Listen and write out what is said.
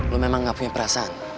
lo memang gak punya perasaan